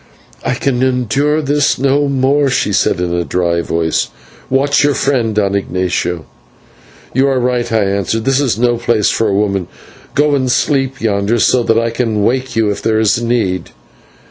"I can endure this no more," she said, in a dry voice; "watch your friend, Don Ignatio." "You are right," I answered, "this is no place for a woman. Go and sleep yonder, so that I can wake you if there is need."